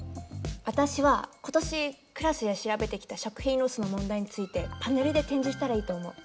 私は今年クラスで調べてきた食品ロスの問題についてパネルで展示したらいいと思う。